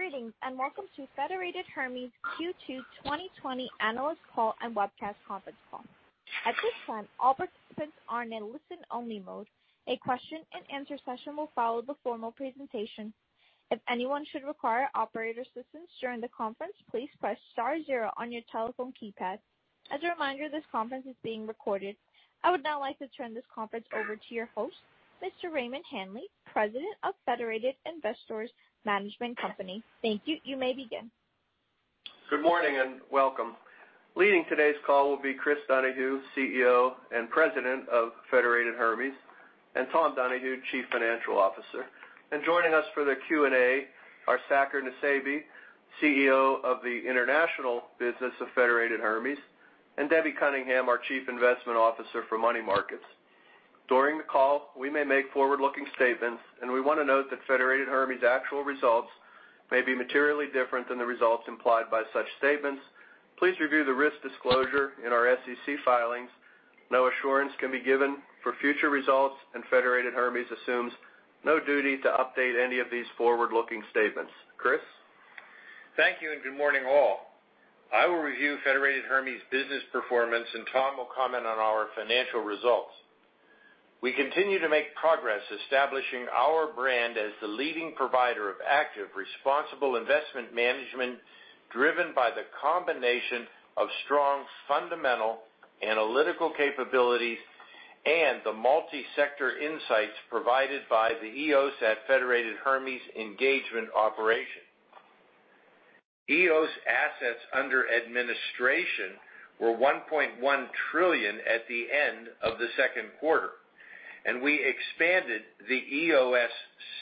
Greetings, and welcome to Federated Hermes Q2 2020 analyst call and webcast conference call. At this time, all participants are in listen-only mode. A question and answer session will follow the formal presentation. If anyone should require operator assistance during the conference, please press star zero on your telephone keypad. As a reminder, this conference is being recorded. I would now like to turn this conference over to your host, Mr. Raymond Hanley, President of Federated Investors Management Company. Thank you. You may begin. Good morning, and welcome. Leading today's call will be Chris Donahue, CEO and President of Federated Hermes, and Tom Donahue, Chief Financial Officer. Joining us for the Q&A are Saker Nusseibeh, CEO of the international business of Federated Hermes, and Debbie Cunningham, our Chief Investment Officer for money markets. During the call, we may make forward-looking statements, and we want to note that Federated Hermes actual results may be materially different than the results implied by such statements. Please review the risk disclosure in our SEC filings. No assurance can be given for future results, and Federated Hermes assumes no duty to update any of these forward-looking statements. Chris? Thank you and good morning, all. I will review Federated Hermes business performance, and Tom will comment on our financial results. We continue to make progress establishing our brand as the leading provider of active, responsible investment management, driven by the combination of strong fundamental analytical capabilities and the multi-sector insights provided by the EOS at Federated Hermes engagement operation. EOS assets under administration were $1.1 trillion at the end of the second quarter, and we expanded the EOS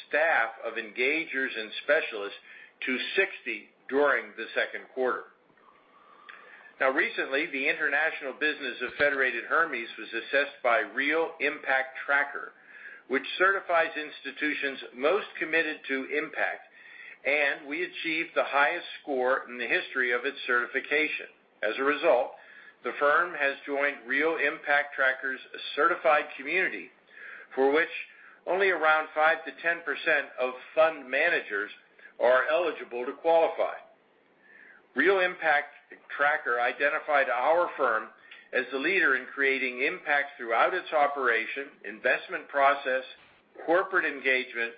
staff of engagers and specialists to 60 during the second quarter. Recently, the international business of Federated Hermes was assessed by Real Impact Tracker, which certifies institutions most committed to impact, and we achieved the highest score in the history of its certification. As a result, the firm has joined Real Impact Tracker's certified community, for which only around five to 10% of fund managers are eligible to qualify. Real Impact Tracker identified our firm as the leader in creating impact throughout its operation, investment process, corporate engagement,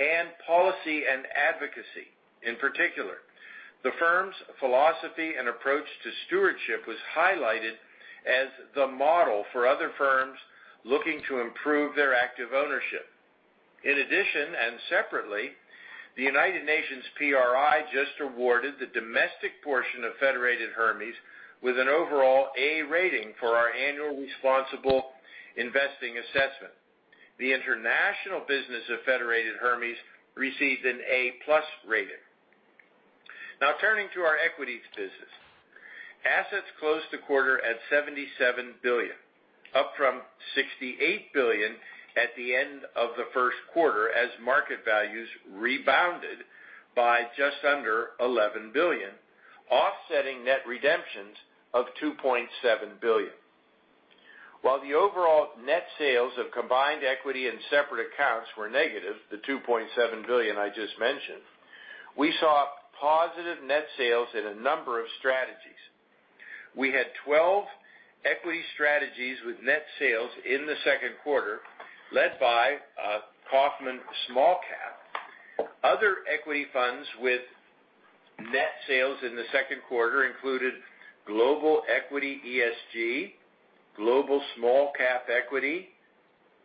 and policy and advocacy. In particular, the firm's philosophy and approach to stewardship was highlighted as the model for other firms looking to improve their active ownership. In addition, and separately, the United Nations PRI just awarded the domestic portion of Federated Hermes with an overall A rating for our annual responsible investing assessment. The international business of Federated Hermes received an A+ rating. Now turning to our equities business. Assets closed the quarter at $77 billion, up from $68 billion at the end of the first quarter as market values rebounded by just under $11 billion, offsetting net redemptions of $2.7 billion. While the overall net sales of combined equity and separate accounts were negative, the $2.7 billion I just mentioned, we saw positive net sales in a number of strategies. We had 12 equity strategies with net sales in the second quarter, led by Kaufmann Small Cap. Other equity funds with net sales in the second quarter included Global Equity ESG, Global Small Cap Equity,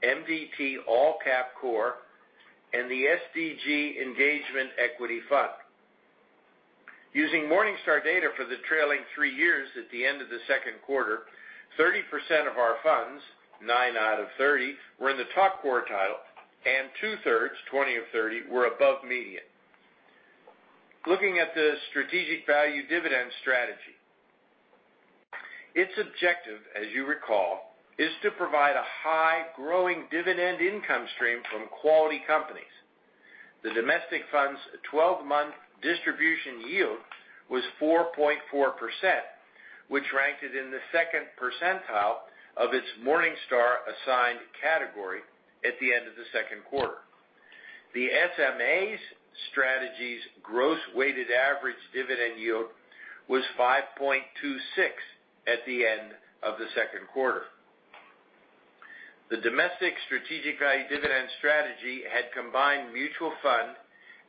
MDT All Cap Core Fund, and the SDG Engagement Equity Fund. Using Morningstar data for the trailing three years at the end of the second quarter, 30% of our funds, nine out of 30, were in the top quartile, and two-thirds, 20 of 30, were above median. Looking at the strategic value dividend strategy. Its objective, as you recall, is to provide a high growing dividend income stream from quality companies. The domestic fund's 12-month distribution yield was 4.4%, which ranked it in the second percentile of its Morningstar assigned category at the end of the second quarter. The SMA's strategy's gross weighted average dividend yield was 5.26% at the end of the second quarter. The domestic strategic value dividend strategy had combined mutual fund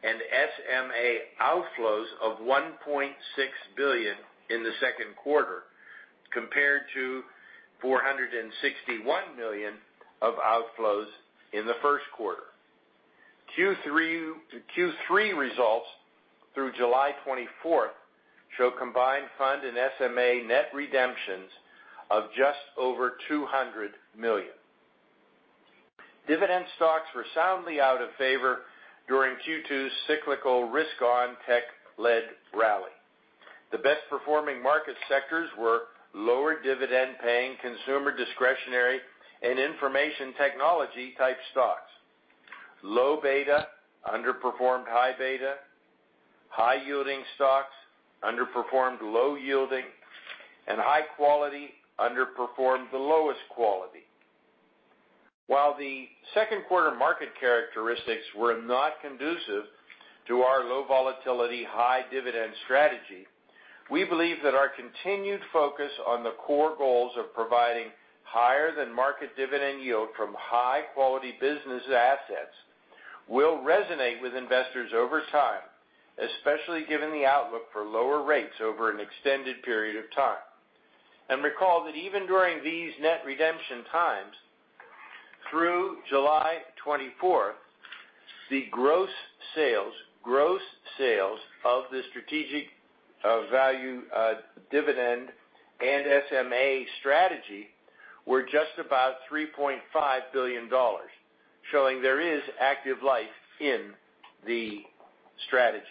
and SMA outflows of $1.6 billion in the second quarter, compared to $461 million of outflows in the first quarter. Q3 results through July 24th show combined fund and SMA net redemptions of just over $200 million. Dividend stocks were soundly out of favor during Q2's cyclical risk on tech-led rally. The best-performing market sectors were lower dividend-paying consumer discretionary and information technology type stocks. Low beta underperformed high beta, high-yielding stocks underperformed low yielding, and high quality underperformed the lowest quality. While the second quarter market characteristics were not conducive to our low volatility, high dividend strategy, we believe that our continued focus on the core goals of providing higher than market dividend yield from high-quality business assets will resonate with investors over time, especially given the outlook for lower rates over an extended period of time. Recall that even during these net redemption times, through July 24th, the gross sales of the strategic value dividend and SMA strategy were just about $3.5 billion, showing there is active life in the strategy.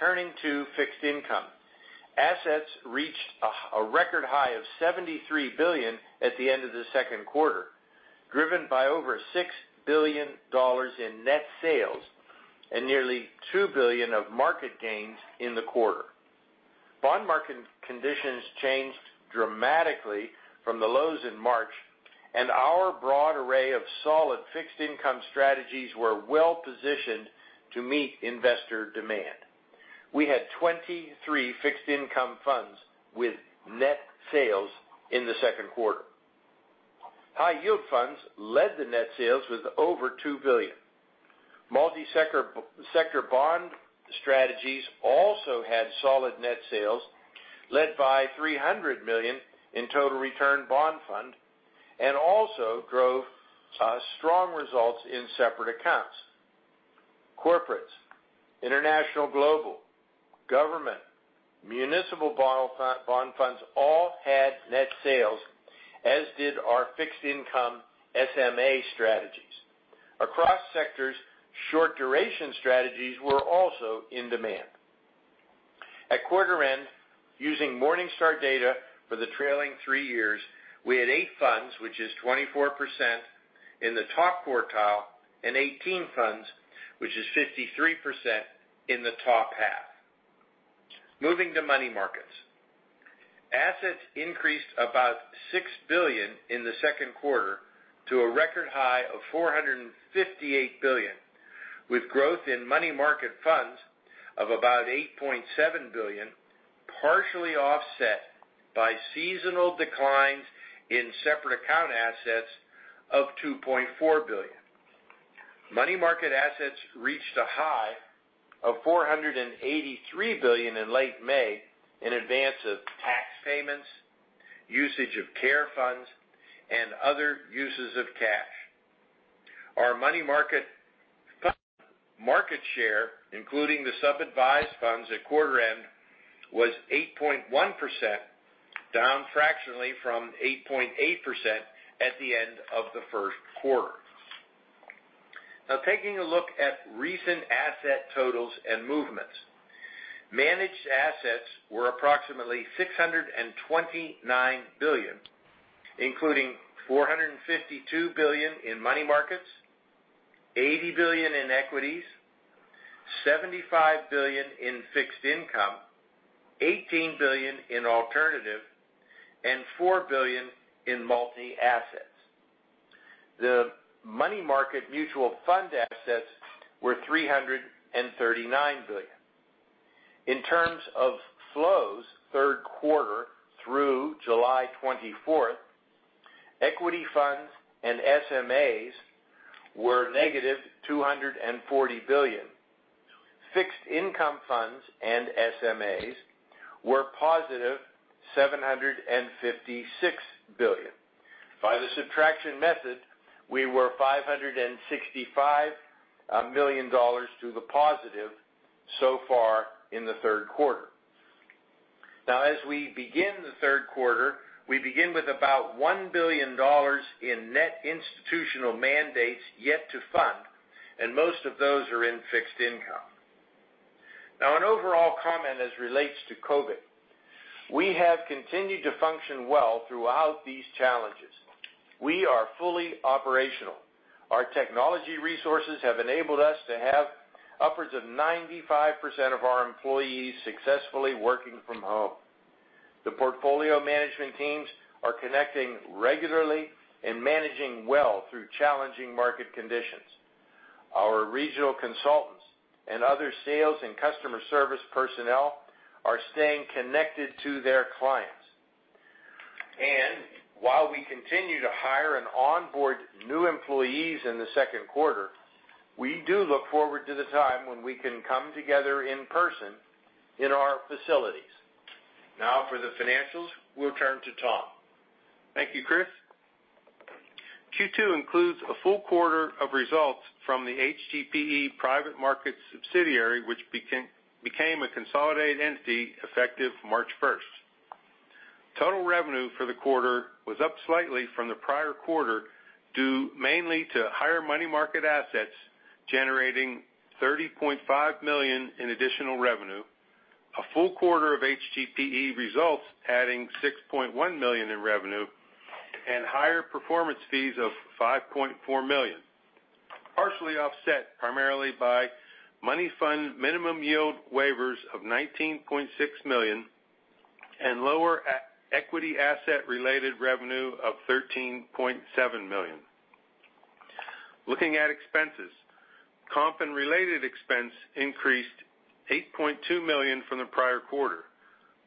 Turning to fixed income. Assets reached a record high of $73 billion at the end of the second quarter, driven by over $6 billion in net sales and nearly $2 billion of market gains in the quarter. Bond market conditions changed dramatically from the lows in March. Our broad array of solid fixed income strategies were well-positioned to meet investor demand. We had 23 fixed income funds with net sales in the second quarter. High yield funds led the net sales with over $2 billion. Multi-sector bond strategies also had solid net sales, led by $300 million in Total Return Bond Fund, and also drove strong results in separate accounts. Corporates, international global, government, municipal bond funds all had net sales, as did our fixed income SMA strategies. Across sectors, short duration strategies were also in demand. At quarter end, using Morningstar data for the trailing three years, we had eight funds, which is 24%, in the top quartile, and 18 funds, which is 53%, in the top half. Moving to money markets. Assets increased about $6 billion in the second quarter to a record high of $458 billion, with growth in money market funds of about $8.7 billion, partially offset by seasonal declines in separate account assets of $2.4 billion. Money market assets reached a high of $483 billion in late May in advance of tax payments, usage of care funds, and other uses of cash. Our money market share, including the sub-advised funds at quarter end, was 8.1%, down fractionally from 8.8% at the end of the first quarter. Taking a look at recent asset totals and movements. Managed assets were approximately $629 billion, including $452 billion in money markets, $80 billion in equities, $75 billion in fixed income, $18 billion in alternative, and $4 billion in multi-assets. The money market mutual fund assets were $339 billion. In terms of flows, third quarter through July 24th, equity funds and SMAs were -$240 billion. Fixed income funds and SMAs were +$756 billion. By the subtraction method, we were $565 million to the positive so far in the third quarter. As we begin the third quarter, we begin with about $1 billion in net institutional mandates yet to fund, and most of those are in fixed income. An overall comment as relates to COVID. We have continued to function well throughout these challenges. We are fully operational. Our technology resources have enabled us to have upwards of 95% of our employees successfully working from home. The portfolio management teams are connecting regularly and managing well through challenging market conditions. Our regional consultants and other sales and customer service personnel are staying connected to their clients. While we continue to hire and onboard new employees in the second quarter, we do look forward to the time when we can come together in person in our facilities. Now for the financials, we'll turn to Tom. Thank you, Chris. Q2 includes a full quarter of results from the HGPE private market subsidiary, which became a consolidated entity effective March 1st. Total revenue for the quarter was up slightly from the prior quarter, due mainly to higher money market assets generating $30.5 million in additional revenue, a full quarter of HGPE results adding $6.1 million in revenue, and higher performance fees of $5.4 million, partially offset primarily by money fund minimum yield waivers of $19.6 million and lower equity asset related revenue of $13.7 million. Looking at expenses, comp and related expense increased $8.2 million from the prior quarter.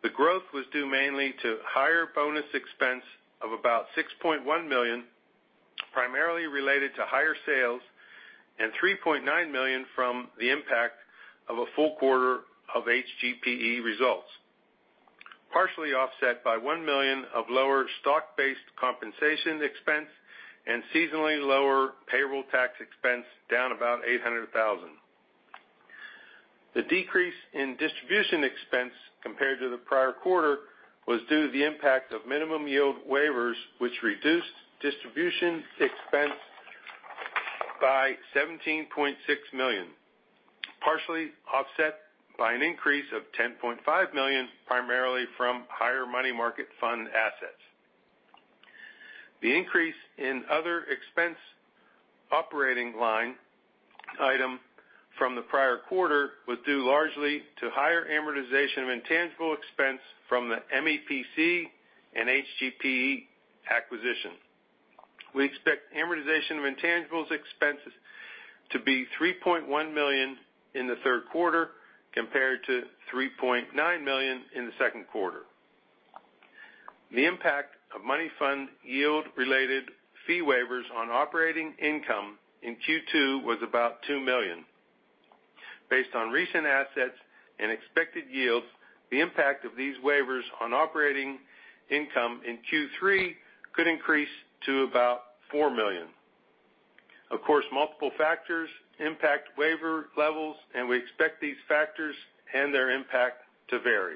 The growth was due mainly to higher bonus expense of about $6.1 million, primarily related to higher sales, and $3.9 million from the impact of a full quarter of HGPE results. Partially offset by $1 million of lower stock-based compensation expense and seasonally lower payroll tax expense down about $800,000. The decrease in distribution expense compared to the prior quarter was due to the impact of minimum yield waivers, which reduced distribution expense by $17.6 million. Partially offset by an increase of $10.5 million, primarily from higher money market fund assets. The increase in other expense operating line item from the prior quarter was due largely to higher amortization of intangible expense from the MEPC and HGPE acquisition. We expect amortization of intangibles expenses to be $3.1 million in the third quarter, compared to $3.9 million in the second quarter. The impact of money fund yield related fee waivers on operating income in Q2 was about $2 million. Based on recent assets and expected yields, the impact of these waivers on operating income in Q3 could increase to about $4 million. Of course, multiple factors impact waiver levels, and we expect these factors and their impact to vary.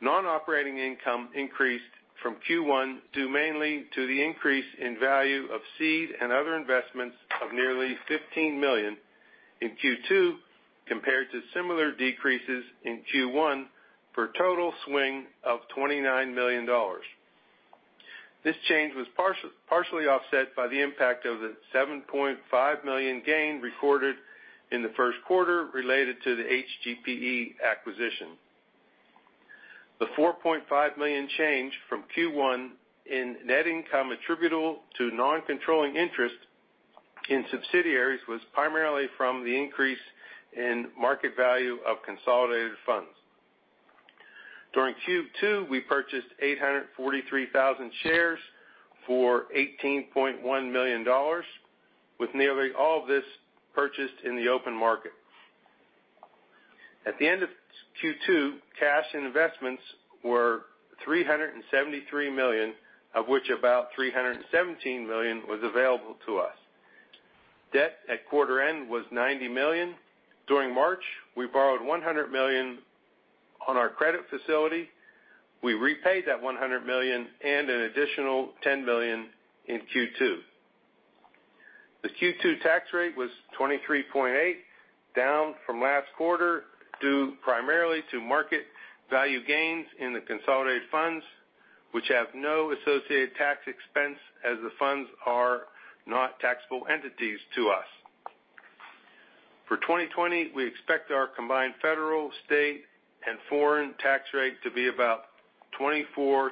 Non-operating income increased from Q1 due mainly to the increase in value of seed and other investments of nearly $15 million in Q2, compared to similar decreases in Q1, for a total swing of $29 million. This change was partially offset by the impact of the $7.5 million gain recorded in the first quarter related to the HGPE acquisition. The $4.5 million change from Q1 in net income attributable to non-controlling interest in subsidiaries was primarily from the increase in market value of consolidated funds. During Q2, we purchased 843,000 shares for $18.1 million, with nearly all of this purchased in the open market. At the end of Q2, cash and investments were $373 million, of which about $317 million was available to us. Debt at quarter end was $90 million. During March, we borrowed $100 million on our credit facility. We repaid that $100 million and an additional $10 million in Q2. The Q2 tax rate was 23.8%, down from last quarter due primarily to market value gains in the consolidated funds, which have no associated tax expense as the funds are not taxable entities to us. For 2020, we expect our combined federal, state, and foreign tax rate to be about 24%-26%.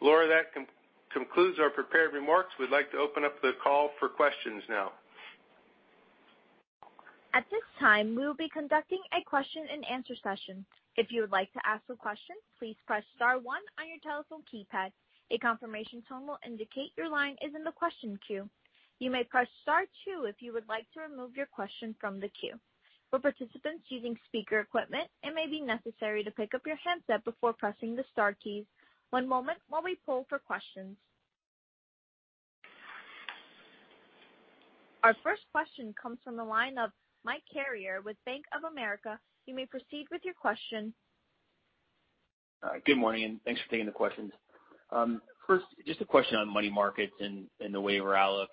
Laura, that concludes our prepared remarks. We'd like to open up the call for questions now. At this time, we will be conducting a question and answer session. If you would like to ask a question, please press star one on your telephone keypad. A confirmation tone will indicate your line is in the question queue. You may press star two if you would like to remove your question from the queue. For participants using speaker equipment, it may be necessary to pick up your handset before pressing the star keys. One moment while we pull for questions. Our first question comes from the line of Mike Carrier with Bank of America. You may proceed with your question. Good morning, and thanks for taking the questions. First, just a question on money markets and the waiver outlook.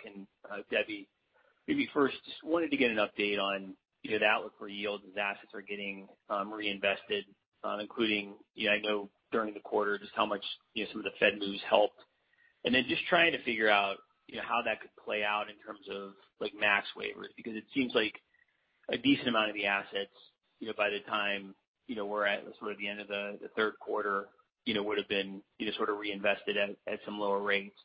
Debbie, maybe first, just wanted to get an update on the outlook for yields as assets are getting reinvested, including, I know during the quarter, just how much some of the Fed moves helped. Then just trying to figure out how that could play out in terms of max waivers, because it seems like a decent amount of the assets, by the time we're at sort of the end of the third quarter would've been sort of reinvested at some lower rates.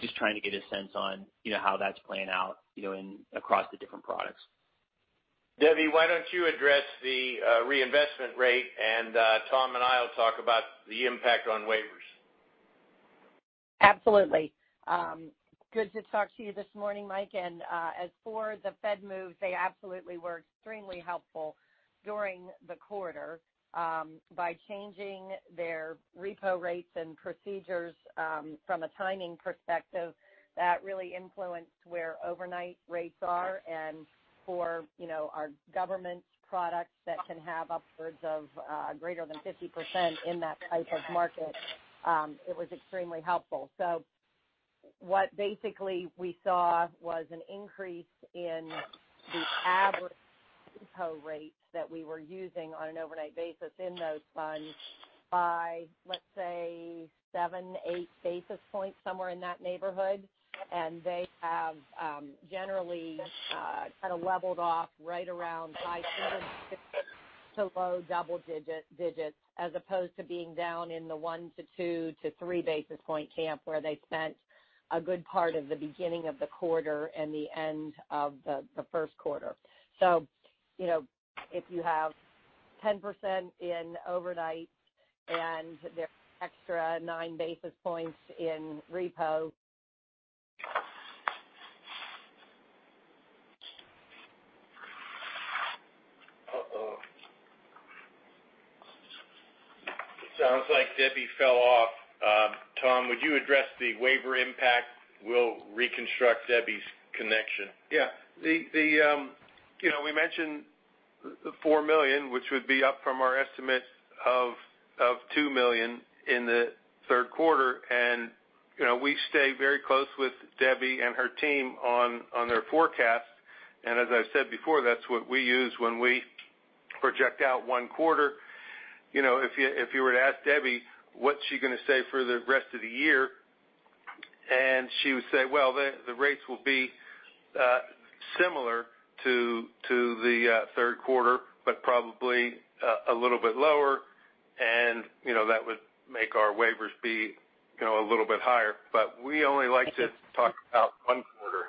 Just trying to get a sense on how that's playing out across the different products. Debbie, why don't you address the reinvestment rate, and Tom and I will talk about the impact on waivers. Absolutely. Good to talk to you this morning, Mike. As for the Fed moves, they absolutely were extremely helpful during the quarter by changing their repo rates and procedures from a timing perspective that really influenced where overnight rates are. For our government products that can have upwards of greater than 50% in that type of market, it was extremely helpful. What basically we saw was an increase in the average repo rates that we were using on an overnight basis in those funds by, let's say, 7, 8 basis points, somewhere in that neighborhood. They have generally kind of leveled off right around high single to low double-digits, as opposed to being down in the one to two to three basis point camp, where they spent a good part of the beginning of the quarter and the end of the first quarter. If you have 10% in overnight and there's extra nine basis points in repo. Uh-oh. It sounds like Debbie fell off. Tom, would you address the waiver impact? We'll reconstruct Debbie's connection. Yeah. We mentioned the $4 million, which would be up from our estimate of $2 million in the third quarter. We stay very close with Debbie and her team on their forecast. As I've said before, that's what we use when we project out one quarter. If you were to ask Debbie, what's she going to say for the rest of the year, and she would say, well, the rates will be similar to the third quarter, but probably a little bit lower. That would make our waivers be a little bit higher. We only like to talk about one quarter.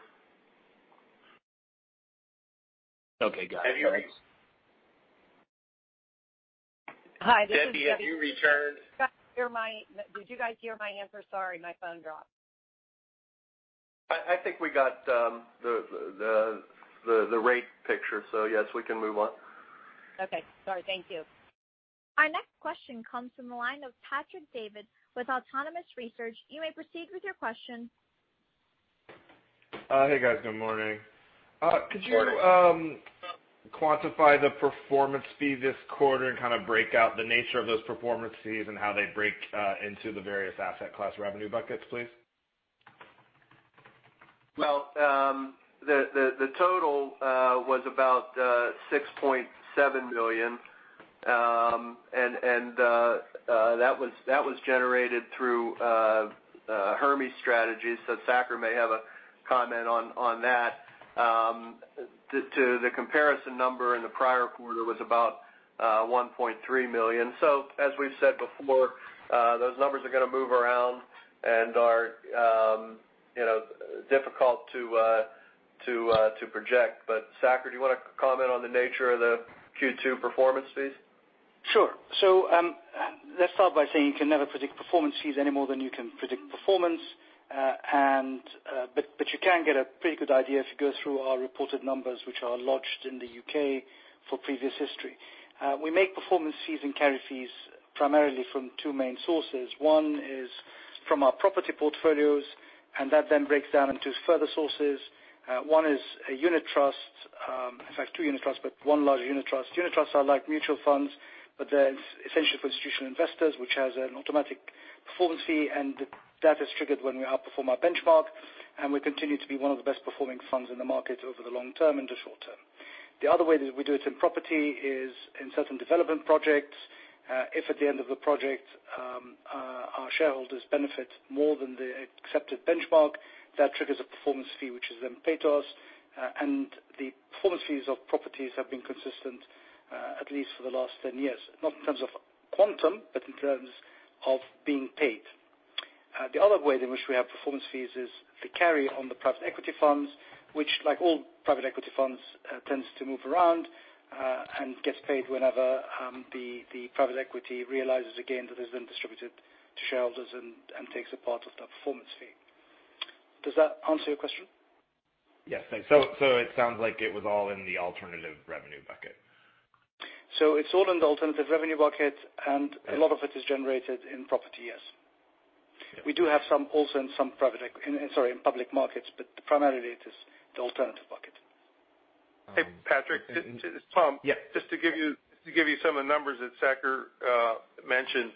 Okay, got it. Thanks. Hi, this is Debbie. Debbie, have you returned? Did you guys hear my answer? Sorry, my phone dropped. I think we got the rate picture. Yes, we can move on. Okay. Sorry. Thank you. Our next question comes from the line of Patrick Davitt with Autonomous Research. You may proceed with your question. Hey, guys. Good morning. Good morning. Could you quantify the performance fee this quarter and kind of break out the nature of those performance fees and how they break into the various asset class revenue buckets, please? Well, the total was about $6.7 million. That was generated through Hermes strategies. Saker may have a comment on that. To the comparison number in the prior quarter was about $1.3 million. As we've said before, those numbers are going to move around and are difficult to project. Saker, do you want to comment on the nature of the Q2 performance fees? Sure. Let's start by saying you can never predict performance fees any more than you can predict performance. You can get a pretty good idea if you go through our reported numbers, which are lodged in the U.K. for previous history. We make performance fees and carry fees primarily from two main sources. One is from our property portfolios, and that then breaks down into further sources. One is a unit trust. In fact, two unit trusts, but one large unit trust. Unit trusts are like mutual funds, but they're essentially for institutional investors, which has an automatic performance fee, and that is triggered when we outperform our benchmark, and we continue to be one of the best performing funds in the market over the long term and the short term. The other way that we do it in property is in certain development projects. If at the end of the project, our shareholders benefit more than the accepted benchmark, that triggers a performance fee, which is then paid to us. The performance fees of properties have been consistent, at least for the last 10 years. Not in terms of quantum, but in terms of being paid. The other way in which we have performance fees is the carry on the private equity funds, which, like all private equity funds, tends to move around, and gets paid whenever the private equity realizes a gain that has been distributed to shareholders and takes a part of that performance fee. Does that answer your question? Yes, thanks. It sounds like it was all in the alternative revenue bucket. It's all in the alternative revenue bucket, and a lot of it is generated in property, yes. Okay. We do have some also in public markets, but primarily it is the alternative bucket. Hey, Patrick. This is Tom. Yeah. Just to give you some of the numbers that Saker mentioned.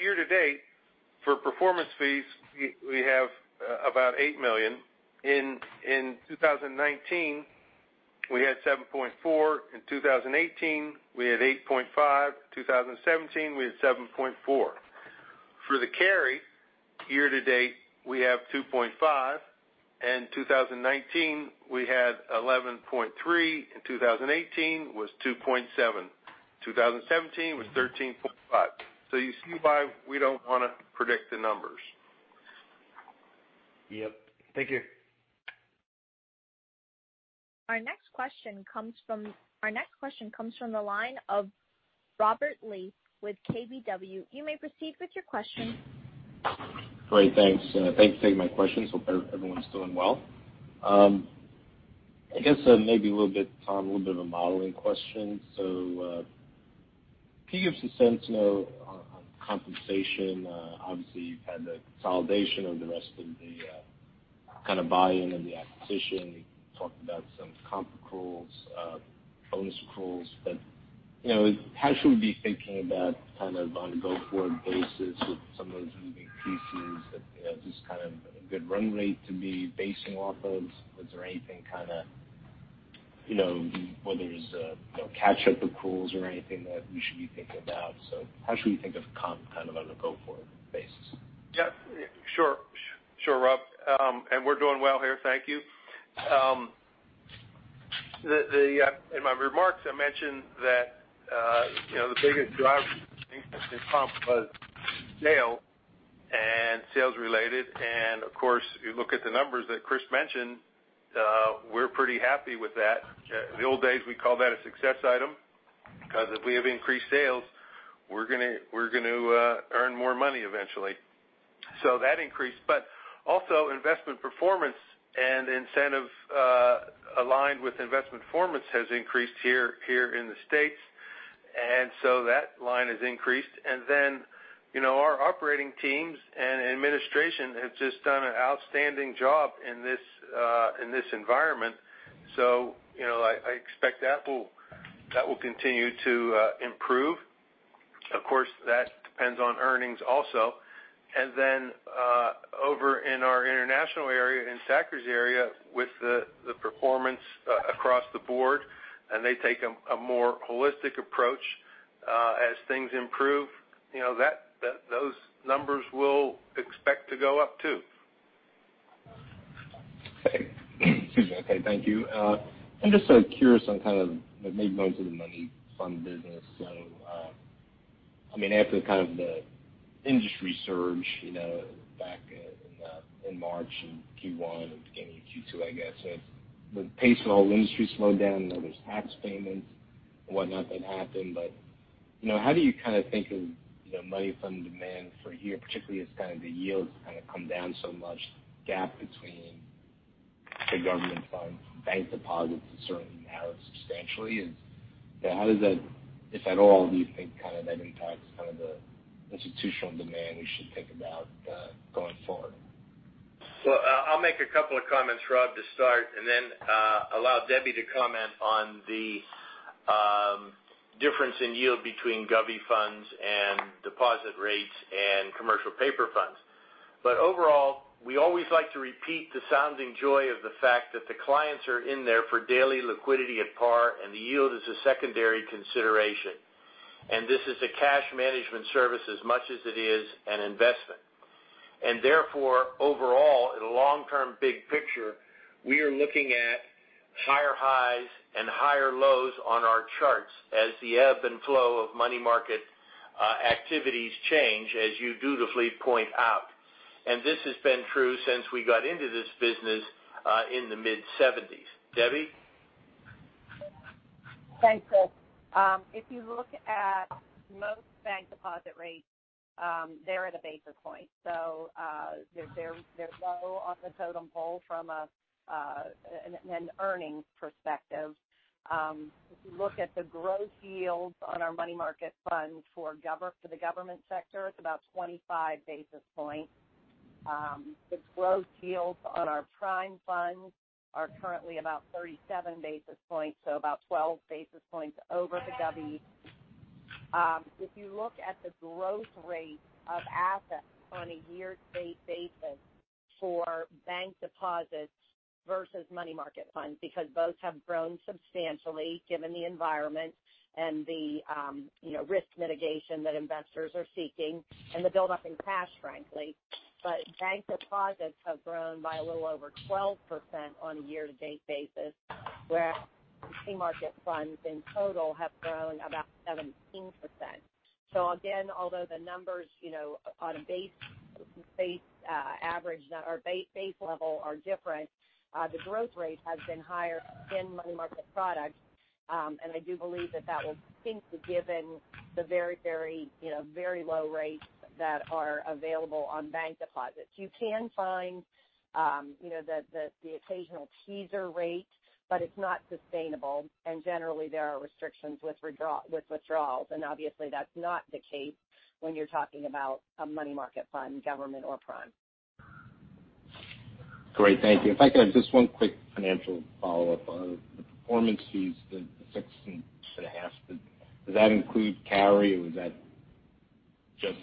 Year-to-date, for performance fees, we have about $8 million. In 2019, we had $7.4 million. In 2018, we had $8.5 million. 2017, we had $7.4 million. For the carry, year-to-date, we have $2.5 million. In 2019, we had $11.3 million. In 2018, it was $2.7 million. 2017 was $13.5 million. You see why we don't want to predict the numbers. Yep. Thank you. Our next question comes from the line of Robert Lee with KBW. You may proceed with your question. Great, thanks. Thanks for taking my questions. Hope everyone's doing well. I guess maybe, Tom, a little bit of a modeling question. Can you give some sense on compensation? Obviously, you've had the consolidation of the rest of the kind of buy-in and the acquisition. You talked about some comp accruals, bonus accruals, but how should we be thinking about on a go-forward basis with some of those moving pieces that, just kind of a good run rate to be basing off of? Is there anything, whether it's catch up or pools or anything that we should be thinking about? How should we think of comp kind of on a go-forward basis? Sure, Rob. We're doing well here. Thank you. In my remarks, I mentioned that the biggest driver in comp was sales and sales related. Of course, you look at the numbers that Chris mentioned, we're pretty happy with that. In the old days, we call that a success item because if we have increased sales, we're going to earn more money eventually. That increased, but also investment performance and incentive aligned with investment performance has increased here in the U.S. That line has increased. Our operating teams and administration have just done an outstanding job in this environment. I expect that will continue to improve. Of course, that depends on earnings also. Over in our international area, in Saker's area, with the performance across the board, and they take a more holistic approach as things improve, those numbers we'll expect to go up too. Okay. Excuse me. Okay. Thank you. I'm just so curious on kind of maybe most of the money fund business. After kind of the industry surge back in March in Q1 and beginning of Q2, I guess. The pace of the whole industry slowed down and there's tax payments and whatnot that happened. How do you kind of think of money fund demand for here, particularly as kind of the yields kind of come down so much gap between the government funds, bank deposits certainly narrowed substantially. How does that, if at all, do you think kind of any tax kind of the institutional demand we should think about going forward? I'll make a couple of comments, Rob, to start, and then allow Debbie to comment on the difference in yield between guvvy funds and deposit rates and commercial paper funds. Overall, we always like to repeat the sounding joy of the fact that the clients are in there for daily liquidity at par, and the yield is a secondary consideration. This is a cash management service as much as it is an investment. Therefore, overall, in the long term big picture, we are looking at higher highs and higher lows on our charts as the ebb and flow of money market activities change, as you dutifully point out. This has been true since we got into this business in the mid-1970s. Debbie? Thanks, Chris. If you look at most bank deposit rates, they're at a basis point. They're low on the totem pole from an earnings perspective. If you look at the gross yields on our money market funds for the government sector, it's about 25 basis points. The gross yields on our prime funds are currently about 37 basis points, about 12 basis points over the guvvy. If you look at the growth rate of assets on a year-to-date basis for bank deposits versus money market funds, because both have grown substantially given the environment and the risk mitigation that investors are seeking and the buildup in cash, frankly. Bank deposits have grown by a little over 12% on a year-to-date basis, where money market funds in total have grown about 17%. Again, although the numbers on a base average or base level are different, the growth rate has been higher in money market products. I do believe that that will continue given the very low rates that are available on bank deposits. You can find the occasional teaser rate, but it's not sustainable, and generally, there are restrictions with withdrawals. Obviously that's not the case when you're talking about a money market fund, government or prime. Great. Thank you. If I could have just one quick financial follow-up on the performance fees, the $6.5 million. Does that include carry or is that just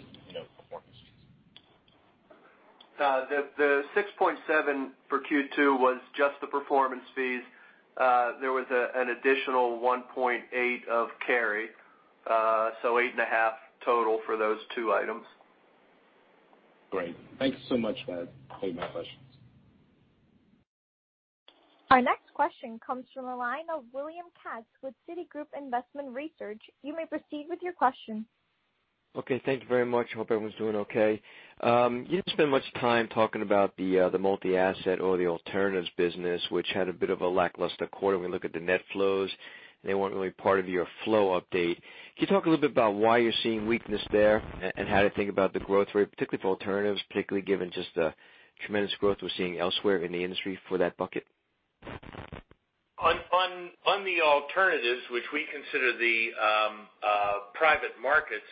performance fees? The $6.7 million for Q2 was just the performance fees. There was an additional $1.8 million of carry. $8.5 million total for those two items. Great. Thank you so much. That's all my questions. Our next question comes from the line of William Katz with Citigroup Investment Research. You may proceed with your question. Okay. Thank you very much. Hope everyone's doing okay. You didn't spend much time talking about the multi-asset or the alternatives business, which had a bit of a lackluster quarter when we look at the net flows. They weren't really part of your flow update. Can you talk a little bit about why you're seeing weakness there and how to think about the growth rate, particularly for alternatives, particularly given just the tremendous growth we're seeing elsewhere in the industry for that bucket? On the alternatives, which we consider the private markets.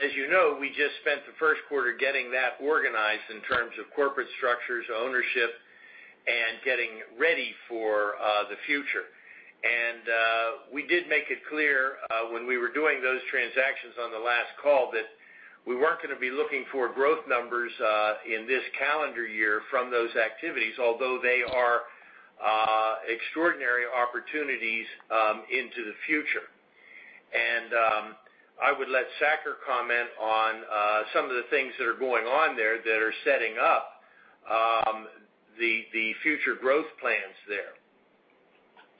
As you know, we just spent the first quarter getting that organized in terms of corporate structures, ownership, and getting ready for the future. We did make it clear when we were doing those transactions on the last call that we weren't going to be looking for growth numbers in this calendar year from those activities, although they are extraordinary opportunities into the future. I would let Saker comment on some of the things that are going on there that are setting up the future growth plans there.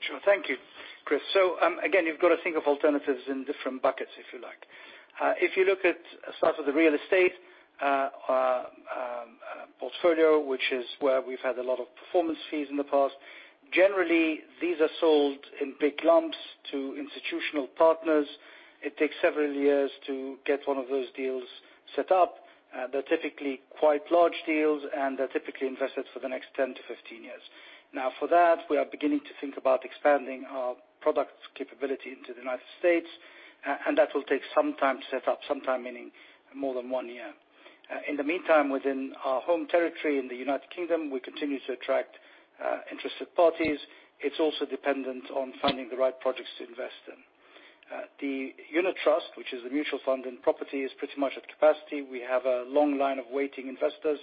Sure. Thank you, Chris. Again, you've got to think of alternatives in different buckets, if you like. If you look at sort of the real estate portfolio, which is where we've had a lot of performance fees in the past, generally, these are sold in big lumps to institutional partners. It takes several years to get one of those deals set up. They're typically quite large deals, and they're typically invested for the next 10-15 years. Now, for that, we are beginning to think about expanding our product capability into the United States, and that will take some time to set up. Some time meaning more than one year. In the meantime, within our home territory in the United Kingdom, we continue to attract interested parties. It's also dependent on finding the right projects to invest in. The unit trust, which is a mutual fund, and property is pretty much at capacity. We have a long line of waiting investors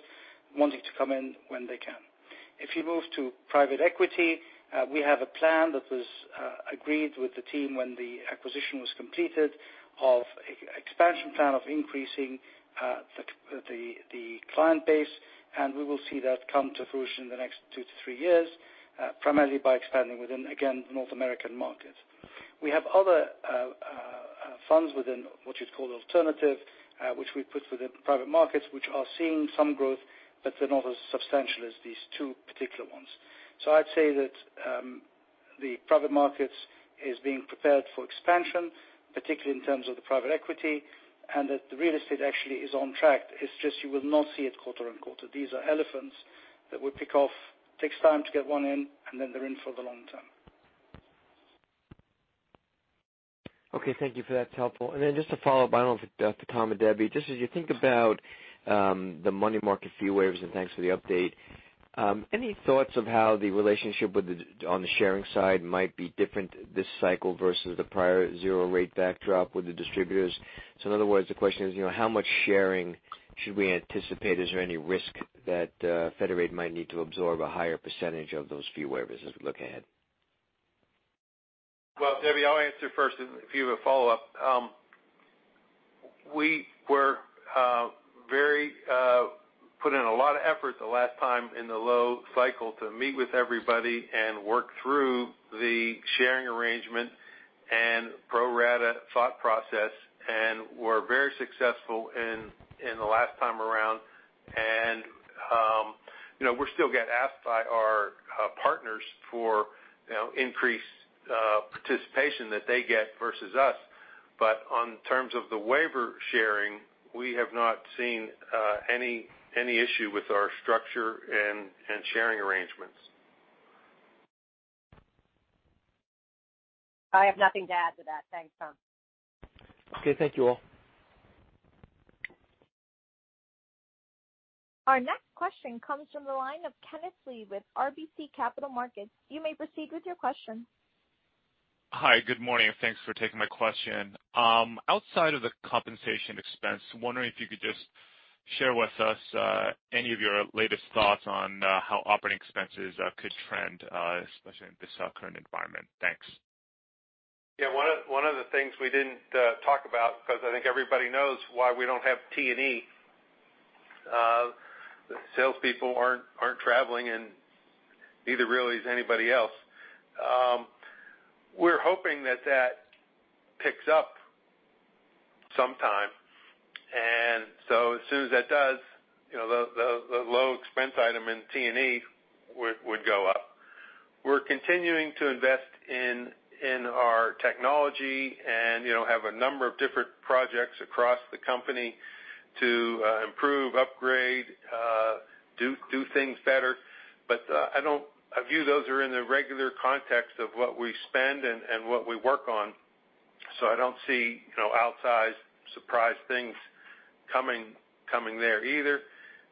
wanting to come in when they can. If you move to private equity, we have a plan that was agreed with the team when the acquisition was completed of expansion plan of increasing the client base, and we will see that come to fruition in the next two to three years, primarily by expanding within, again, the North American market. We have other funds within what you'd call alternative, which we put within private markets, which are seeing some growth, but they're not as substantial as these two particular ones. I'd say that the private markets is being prepared for expansion, particularly in terms of the private equity, and that the real estate actually is on track. It's just you will not see it quarter-on-quarter. These are elephants that we pick off. Takes time to get one in, and then they're in for the long term. Okay. Thank you for that. It's helpful. Just to follow up, I don't know if for Tom and Debbie, just as you think about the money market fee waivers, thanks for the update. Any thoughts of how the relationship on the sharing side might be different this cycle versus the prior zero rate backdrop with the distributors? In other words, the question is, how much sharing should we anticipate? Is there any risk that Federated might need to absorb a higher percentage of those fee waivers as we look ahead? Well, Debbie, I'll answer first if you have a follow-up. We put in a lot of effort the last time in the low cycle to meet with everybody and work through the sharing arrangement and pro rata thought process, were very successful in the last time around. We still get asked by our partners for increased participation that they get versus us. On terms of the waiver sharing, we have not seen any issue with our structure and sharing arrangements. I have nothing to add to that. Thanks, Tom. Okay. Thank you all. Our next question comes from the line of Kenneth Lee with RBC Capital Markets. You may proceed with your question. Hi. Good morning, and thanks for taking my question. Outside of the compensation expense, wondering if you could just share with us any of your latest thoughts on how operating expenses could trend, especially in this current environment. Thanks. Yeah. One of the things we didn't talk about, because I think everybody knows why we don't have T&E. The salespeople aren't traveling, and neither really is anybody else. We're hoping that that picks up sometime. As soon as that does, the low expense item in T&E would go up. We're continuing to invest in our technology and have a number of different projects across the company to improve, upgrade, do things better. I view those are in the regular context of what we spend and what we work on. I don't see outsized surprise things coming there either.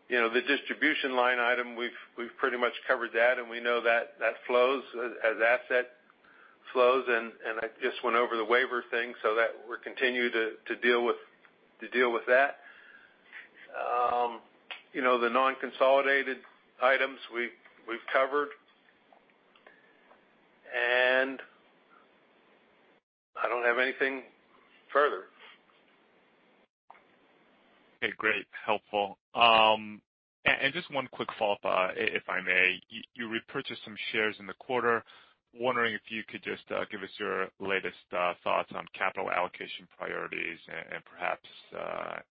The distribution line item, we've pretty much covered that, and we know that flows as asset flows. I just went over the waiver thing, so that we're continuing to deal with that. The non-consolidated items we've covered. I don't have anything further. Okay, great. Helpful. Just one quick follow-up, if I may. You repurchased some shares in the quarter. Wondering if you could just give us your latest thoughts on capital allocation priorities and perhaps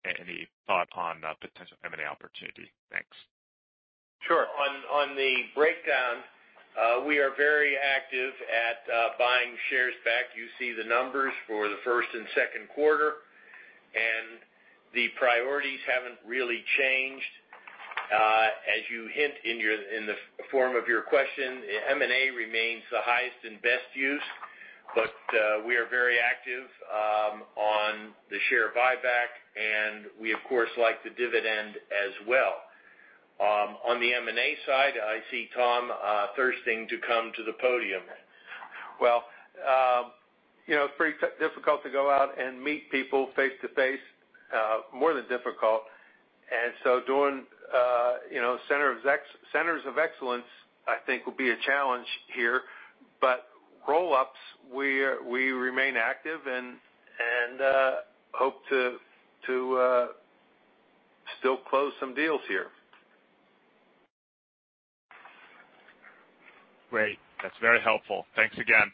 any thought on potential M&A opportunity. Thanks. Sure. On the breakdown, we are very active at buying shares back. You see the numbers for the first and second quarter. The priorities haven't really changed. As you hint in the form of your question, M&A remains the highest and best use, but we are very active on the share buyback, and we of course like the dividend as well. On the M&A side, I see Tom thirsting to come to the podium. Well, it's pretty difficult to go out and meet people face-to-face. More than difficult. So doing centers of excellence, I think, will be a challenge here. Roll-ups, we remain active and hope to still close some deals here. Great. That's very helpful. Thanks again.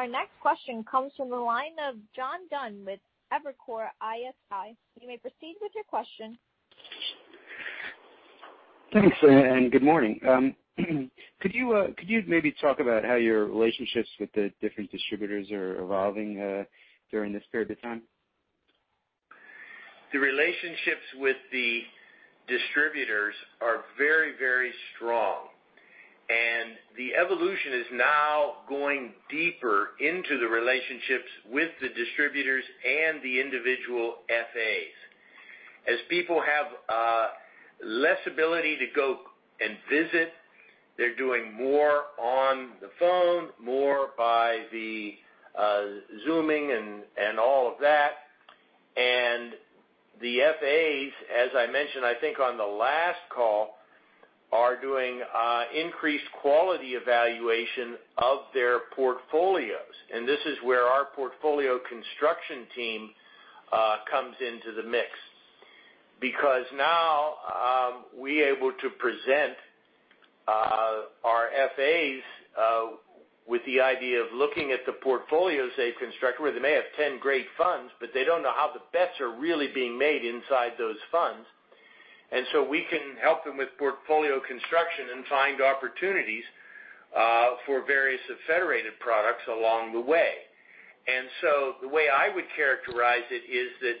Our next question comes from the line of John Dunn with Evercore ISI. You may proceed with your question. Thanks, and good morning. Could you maybe talk about how your relationships with the different distributors are evolving during this period of time? The relationships with the distributors are very strong, and the evolution is now going deeper into the relationships with the distributors and the individual FAs. As people have less ability to go and visit, they're doing more on the phone, more by the Zooming and all of that. The FAs, as I mentioned, I think on the last call, are doing increased quality evaluation of their portfolios. This is where our portfolio construction team comes into the mix. Because now we're able to present our FAs with the idea of looking at the portfolios they've constructed, where they may have 10 great funds, but they don't know how the bets are really being made inside those funds. We can help them with portfolio construction and find opportunities for various Federated products along the way. The way I would characterize it is that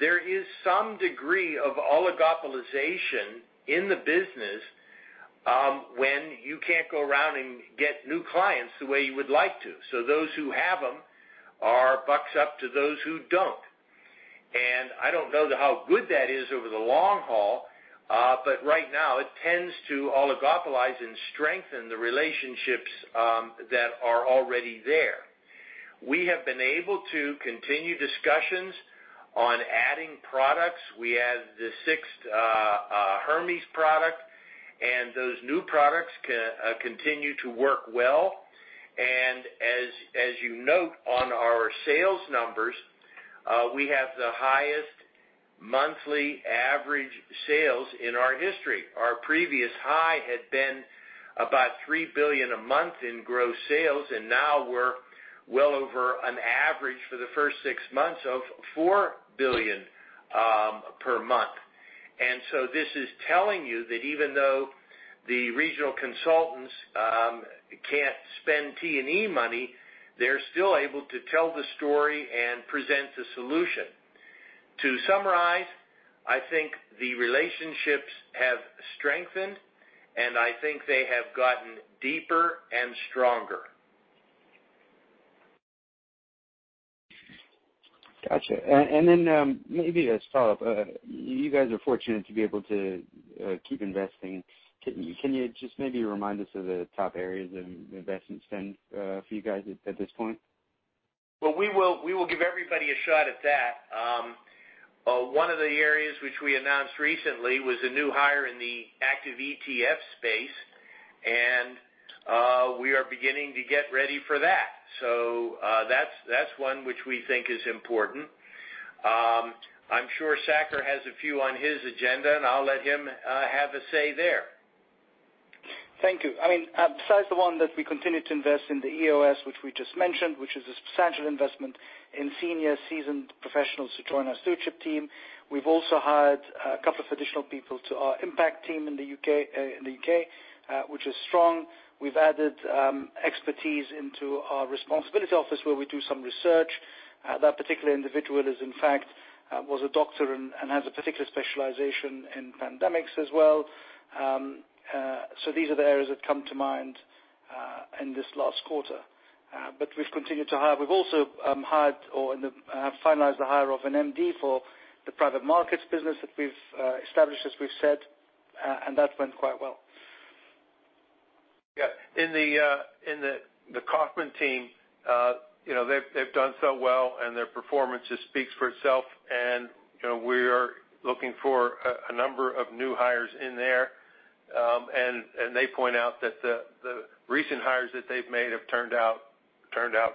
there is some degree of oligopolization in the business when you can't go around and get new clients the way you would like to. Those who have them are bucks up to those who don't. I don't know how good that is over the long haul, but right now it tends to oligopolize and strengthen the relationships that are already there. We have been able to continue discussions on adding products. We added the sixth Hermes product, and those new products continue to work well. As you note on our sales numbers, we have the highest monthly average sales in our history. Our previous high had been about $3 billion a month in gross sales, and now we're well over an average for the first six months of $4 billion per month. This is telling you that even though the regional consultants can't spend T&E money, they're still able to tell the story and present the solution. To summarize, I think the relationships have strengthened, and I think they have gotten deeper and stronger. Got you. Maybe as a follow-up, you guys are fortunate to be able to keep investing. Can you just maybe remind us of the top areas of investment spend for you guys at this point? Well, we will give everybody a shot at that. One of the areas which we announced recently was a new hire in the active ETF space, and we are beginning to get ready for that. That's one which we think is important. I'm sure Saker has a few on his agenda, and I'll let him have a say there. Thank you. Besides the one that we continue to invest in the EOS, which we just mentioned, which is a substantial investment in senior seasoned professionals to join our stewardship team. We've also hired a couple of additional people to our impact team in the U.K., which is strong. We've added expertise into our responsibility office, where we do some research. That particular individual in fact, was a doctor and has a particular specialization in pandemics as well. These are the areas that come to mind in this last quarter. We've continued to hire. We've also hired or have finalized the hire of an MD for the private markets business that we've established, as we've said, and that went quite well. Yeah. In the Kaufmann team, they've done so well, and their performance just speaks for itself. We are looking for a number of new hires in there. They point out that the recent hires that they've made have turned out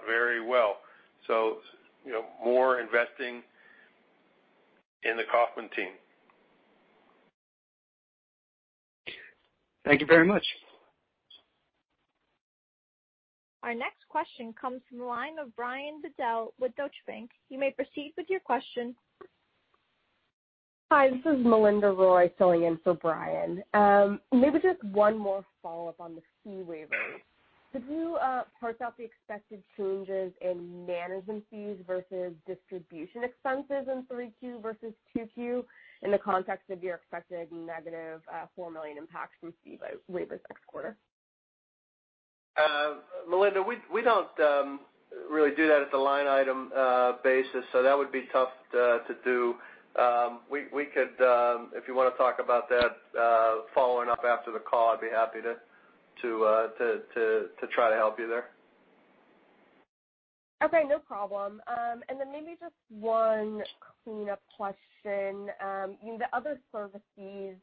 very well. More investing in the Kaufmann team. Thank you very much. Our next question comes from the line of Brian Bedell with Deutsche Bank. You may proceed with your question. Hi, this is Melinda Roy filling in for Brian. Just one more follow-up on the fee waiver. Could you parse out the expected changes in management fees versus distribution expenses in Q3 versus Q2 in the context of your expected negative $4 million impact from fee waivers next quarter? Melinda, we don't really do that at the line item basis, so that would be tough to do. If you want to talk about that following up after the call, I'd be happy to try to help you there. Okay, no problem. Maybe just one cleanup question. The other service fees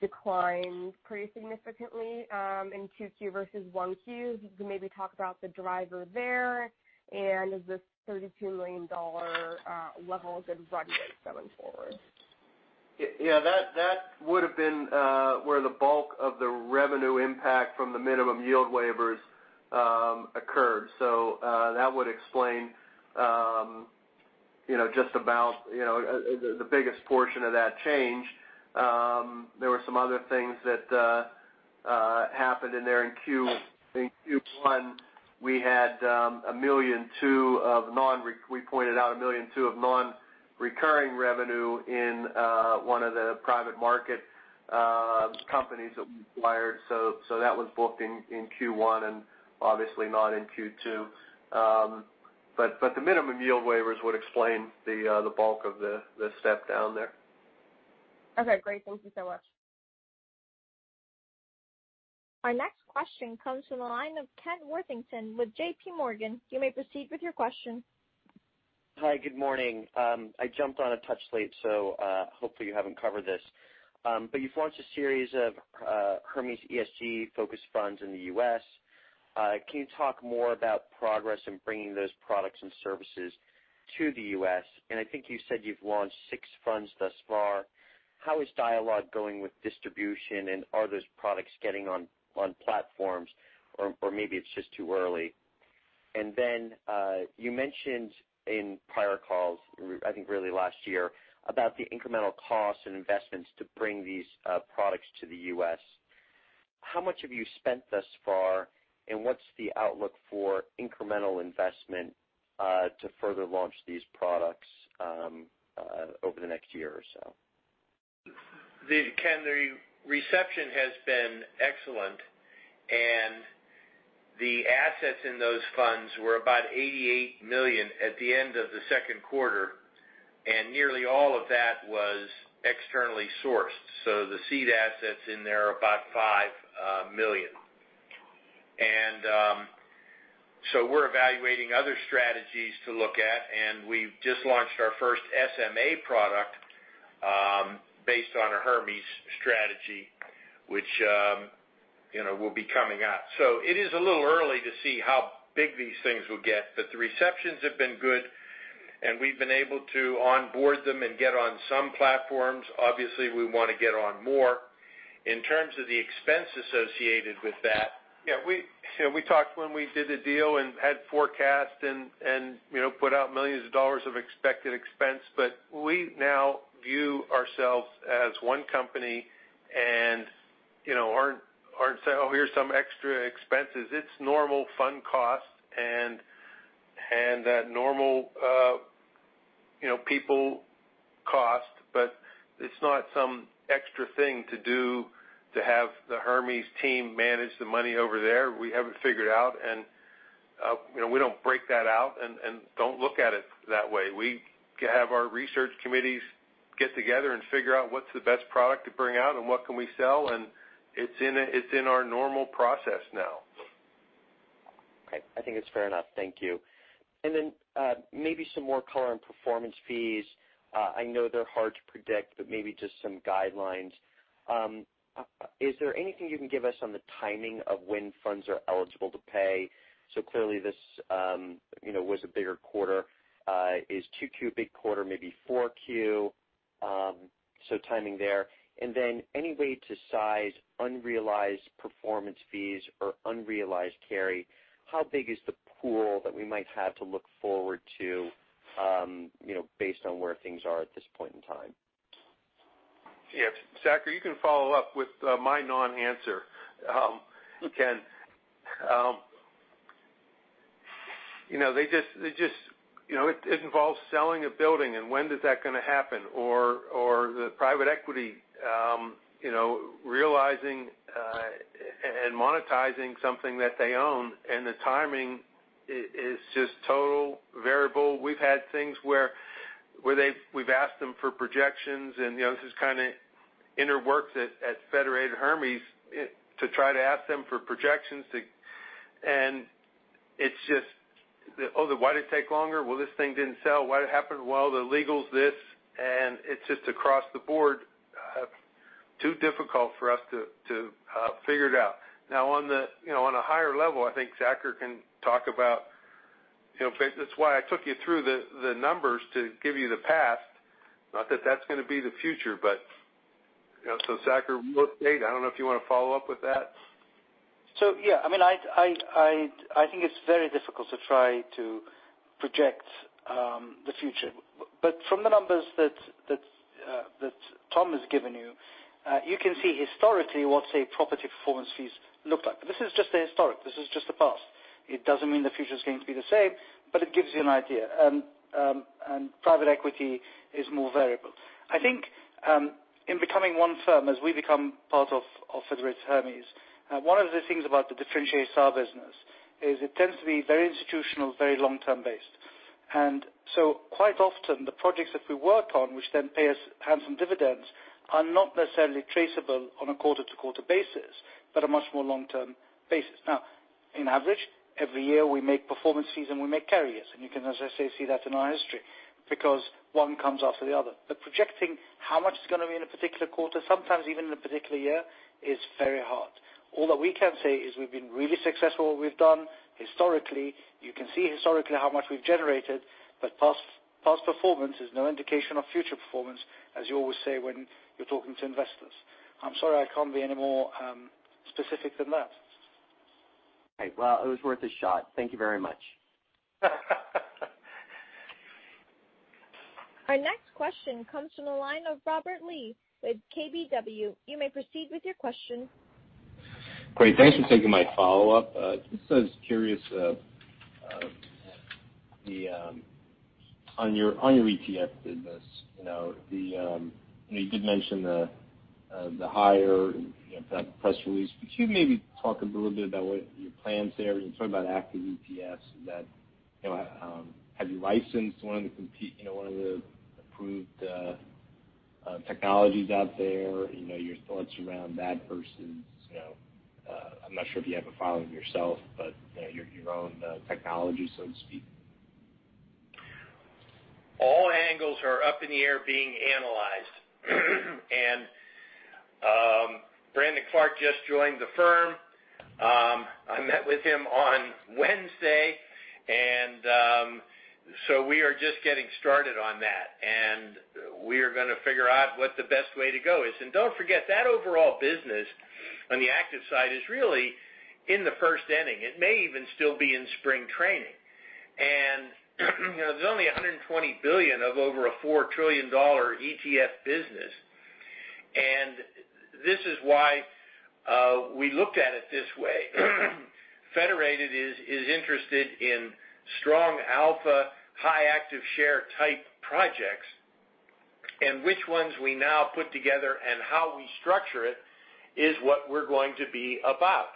declined pretty significantly in Q2 versus Q1. Could you maybe talk about the driver there and is this $32 million level a good runway going forward? Yeah, that would've been where the bulk of the revenue impact from the minimum yield waivers occurred. That would explain just about the biggest portion of that change. There were some other things that happened in there in Q1. We pointed out $1.2 million of non-recurring revenue in one of the private market companies that we acquired. That was booked in Q1, and obviously not in Q2. The minimum yield waivers would explain the bulk of the step down there. Okay, great. Thank you so much. Our next question comes from the line of Ken Worthington with JPMorgan. You may proceed with your question. Hi, good morning. I jumped on a touch late, so hopefully you haven't covered this. You've launched a series of Hermes ESG-focused funds in the U.S. Can you talk more about progress in bringing those products and services to the U.S.? I think you said you've launched six funds thus far. How is dialogue going with distribution, and are those products getting on platforms, or maybe it's just too early? You mentioned in prior calls, I think really last year, about the incremental costs and investments to bring these products to the U.S. How much have you spent thus far, and what's the outlook for incremental investment to further launch these products over the next year or so? Ken, the reception has been excellent. The assets in those funds were about $88 million at the end of the second quarter. Nearly all of that was externally sourced. The seed assets in there are about $5 million. We're evaluating other strategies to look at. We've just launched our first SMA product based on a Hermes strategy, which will be coming out. It is a little early to see how big these things will get. The receptions have been good. We've been able to onboard them and get on some platforms. We want to get on more. In terms of the expense associated with that- We talked when we did the deal and had forecast and put out millions of dollars of expected expense. We now view ourselves as one company and aren't saying, oh, here's some extra expenses. It's normal fund costs and that normal people cost. It's not some extra thing to do to have the Hermes team manage the money over there. We have it figured out, and we don't break that out and don't look at it that way. We have our research committees get together and figure out what's the best product to bring out and what can we sell. It's in our normal process now. Okay, I think it's fair enough. Thank you. Maybe some more color on performance fees. I know they're hard to predict, but maybe just some guidelines. Is there anything you can give us on the timing of when funds are eligible to pay? Clearly this was a bigger quarter. Is Q2 a big quarter, maybe Q4? Timing there. Any way to size unrealized performance fees or unrealized carry, how big is the pool that we might have to look forward to based on where things are at this point in time? Yes. Saker, you can follow up with my non-answer. Ken. It involves selling a building and when is that going to happen? The private equity realizing and monetizing something that they own, and the timing is just total variable. We've had things where we've asked them for projections, and this is kind of inner works at Federated Hermes to try to ask them for projections. It's just the, oh, why did it take longer? well, this thing didn't sell. Why did it happen? well, the legal's this, and it's just across the board too difficult for us to figure it out. Now on a higher level, I think Saker can talk about. That's why I took you through the numbers to give you the past. Not that that's going to be the future. Saker, I don't know if you want to follow up with that. Yeah, I think it's very difficult to try to project the future. From the numbers that Tom has given you can see historically what say property performance fees look like. This is just the historic, this is just the past. It doesn't mean the future's going to be the same, but it gives you an idea. Private equity is more variable. I think, in becoming one firm, as we become part of Federated Hermes, one of the things about the differentiate our business is it tends to be very institutional, very long-term based. Quite often the projects that we work on, which then pay us handsome dividends, are not necessarily traceable on a quarter-to-quarter basis, but a much more long-term basis. Now, in average, every year we make performance fees and we make carriers. You can, as I say, see that in our history, because one comes after the other. Projecting how much it's going to be in a particular quarter, sometimes even in a particular year, is very hard. All that we can say is we've been really successful at what we've done. Historically, you can see historically how much we've generated. Past performance is no indication of future performance, as you always say when you're talking to investors. I'm sorry I can't be any more specific than that. Okay. It was worth a shot. Thank you very much. Our next question comes from the line of Robert Lee with KBW. You may proceed with your question. Great. Thanks for taking my follow-up. Just was curious on your ETF business, you did mention the higher in the press release. Could you maybe talk a little bit about what your plans there, when you talk about active ETFs, have you licensed one of the approved technologies out there? Your thoughts around that versus, I'm not sure if you have a filing yourself, but your own technology, so to speak. All angles are up in the air being analyzed. Brandon Clark just joined the firm. I met with him on Wednesday. We are just getting started on that, we are going to figure out what the best way to go is. Don't forget, that overall business on the active side is really in the first inning. It may even still be in spring training. There's only $120 billion of over a $4 trillion ETF business. This is why we looked at it this way. Federated is interested in strong alpha, high active share type projects, which ones we now put together and how we structure it is what we're going to be about.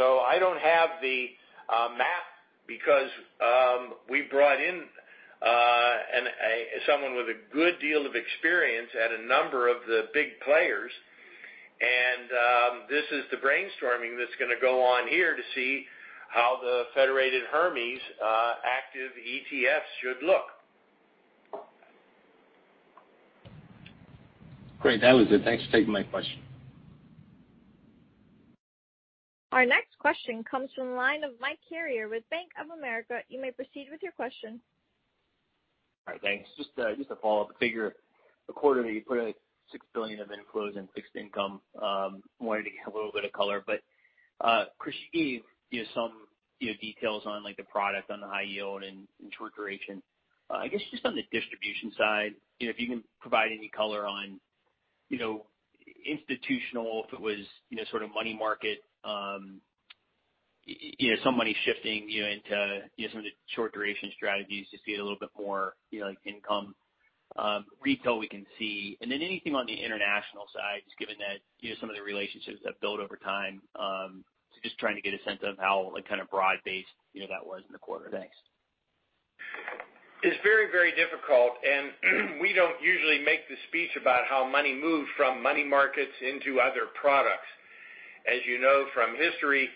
I don't have the map because we brought in someone with a good deal of experience at a number of the big players, and this is the brainstorming that's going to go on here to see how the Federated Hermes active ETFs should look. Great. That was it. Thanks for taking my question. Our next question comes from the line of Mike Carrier with Bank of America. You may proceed with your question. All right. Thanks. Just a follow-up figure. The quarter that you put $6 billion of inflows in fixed income, wanted to get a little bit of color. Chris, you gave some details on the product on the high yield and short duration. I guess just on the distribution side, if you can provide any color on institutional, if it was sort of money market, some money shifting into some of the short duration strategies to see it a little bit more income. Retail we can see. Anything on the international side, just given that some of the relationships that build over time, so just trying to get a sense of how kind of broad-based that was in the quarter. Thanks. It's very, very difficult. We don't usually make the speech about how money moves from money markets into other products. As you know from history,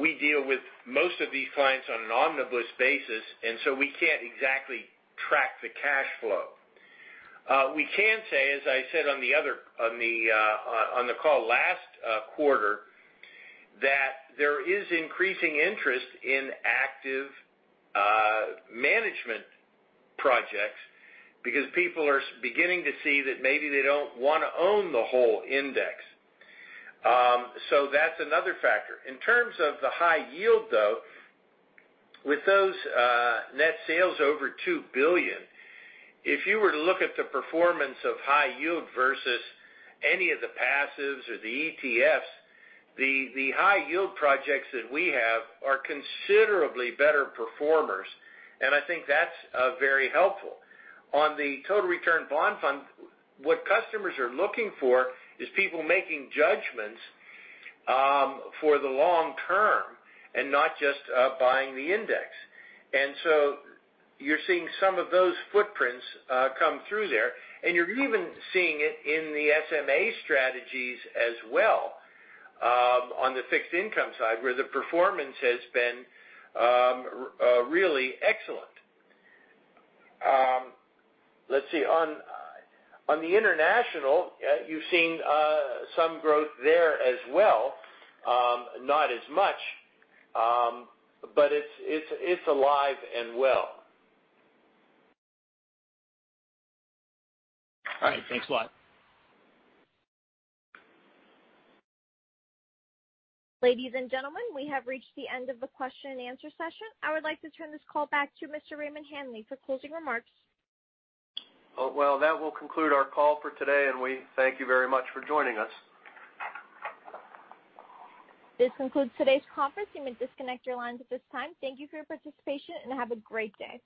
we deal with most of these clients on an omnibus basis. We can't exactly track the cash flow. We can say, as I said on the call last quarter, that there is increasing interest in active management projects because people are beginning to see that maybe they don't want to own the whole index. That's another factor. In terms of the high yield, though, with those net sales over $2 billion, if you were to look at the performance of high yield versus any of the passives or the ETFs, the high yield projects that we have are considerably better performers. I think that's very helpful. On the total return bond fund, what customers are looking for is people making judgments for the long term and not just buying the index. You're seeing some of those footprints come through there, and you're even seeing it in the SMA strategies as well on the fixed income side, where the performance has been really excellent. Let's see. On the international, you've seen some growth there as well, not as much, but it's alive and well. All right. Thanks a lot. Ladies and gentlemen, we have reached the end of the question and answer session. I would like to turn this call back to Mr. Raymond Hanley for closing remarks. Well, that will conclude our call for today, and we thank you very much for joining us. This concludes today's conference. You may disconnect your lines at this time. Thank you for your participation, and have a great day.